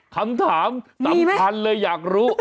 คำถามสำคัญเลยอยากรู้